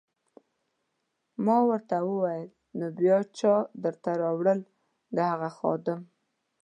ما ورته وویل: نو بیا چا درته راوړل؟ د هغه خادم.